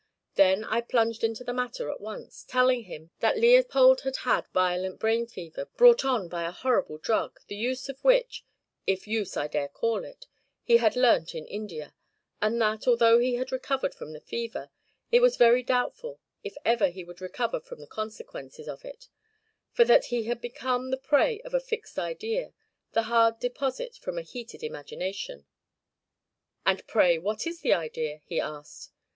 Then I plunged into the matter at once, telling him that Leopold had had violent brain fever, brought on by a horrible drug, the use of which, if use I dare call it, he had learnt in India; and that, although he had recovered from the fever, it was very doubtful if ever he would recover from the consequences of it, for that he had become the prey of a fixed idea, the hard deposit from a heated imagination. 'And pray what is the idea?' he asked.